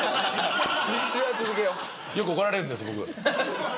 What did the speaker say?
よく怒られるんです僕。